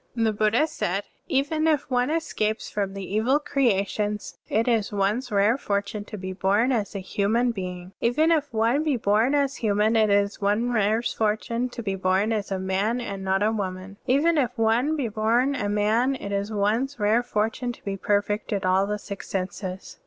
(36) The Buddha said :" Even if one escapes from the evil creations, it is one's rare fortune to be bom as a htmian being. Even if one be bom as htmian, it is one's rare fortune to be bom as a man and not a woman.* Even if one be bom a man, it is one's rare fortune to be perfect in all the six senses.